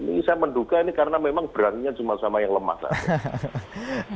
ini saya menduga ini karena memang beraninya cuma sama yang lemah saja